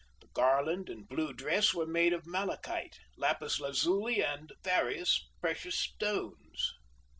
The garland and blue dress were made of malachite, lapis lazuli, and various precious stones.